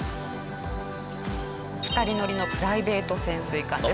２人乗りのプライベート潜水艦です。